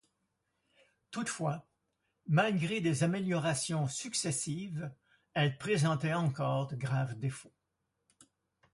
Toutefois, malgré des améliorations successives, elles présentaient encore de graves défauts.